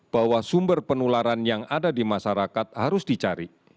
bahwa sumber penularan yang ada di masyarakat harus dicari